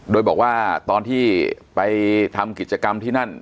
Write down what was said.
โดยบอกว่าตอนที่ไปทำกิจกรรมที่นั่น